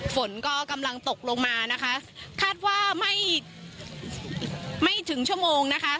ฝนก็กำลังตกลงมานะคะคาดว่าไม่ไม่ถึงชั่วโมงนะคะ